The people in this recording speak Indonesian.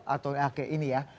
atau yang kayak ini ya